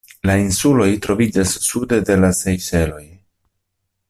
La insuloj troviĝas sude de la Sejŝeloj.